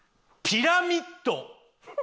ピラミッドを。